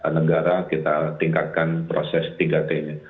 negara kita tingkatkan proses tiga t nya